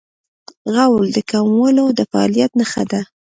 غول د کولمو د فعالیت نښه ده.